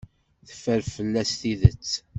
Teffer fell-as tidet.